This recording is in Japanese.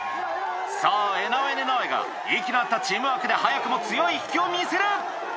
さぁエナウェネ・ナウェが息の合ったチームワークで早くも強い引きを見せる！